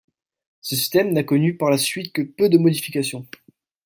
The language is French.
Ce système n'a connu par la suite que peu de modifications.